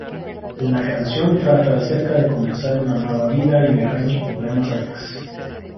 La canción trata acerca de comenzar una nueva vida y dejar los problemas atrás.